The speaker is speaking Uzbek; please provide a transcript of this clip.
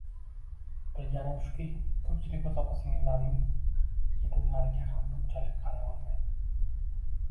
Bilganim shuki, ko'pchilik o'z opa-singillarining yetimlariga ham bunchalik qaray olmaydi.